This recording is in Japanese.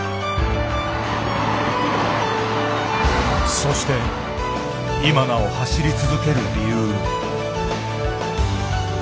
そして今なお走り続ける理由。